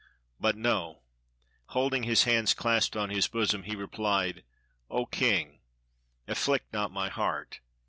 But no! Holding his hands clasped on his bosom, he re plied :— "O king! afflict not my heart.